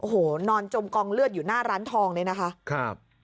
โอ้โหนอนจมกองเลือดอยู่หน้าร้านทองเลยนะคะครับ